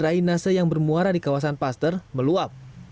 dan menyebabkan drainase yang bermuara di kawasan paster meluap